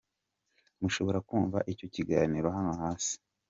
Mushobora kumva icyo kiganiro hano hasi